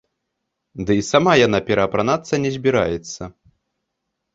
Ды і сама яна пераапранацца не збіраецца.